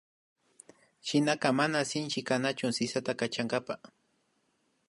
Shinaka mana sinchi kanachu sisata kachankapa